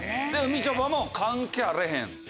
みちょぱも関係あれへん。